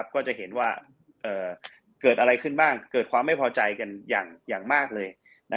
ก็จะเห็นว่าเกิดอะไรขึ้นบ้างเกิดความไม่พอใจกันอย่างมากเลย